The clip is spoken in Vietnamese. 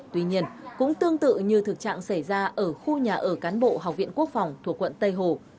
tuy nhiên cũng tương tự như thực trạng xảy ra ở khu nhà ở cán bộ học viện quốc phòng thuộc quận tây hồ